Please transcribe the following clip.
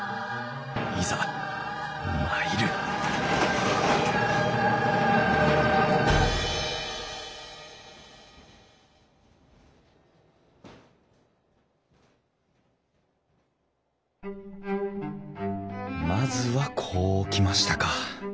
いざ参るまずはこう来ましたか。